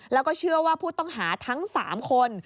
แล้วก็เชื่อว่าผู้ต้องหาทั้ง๓คน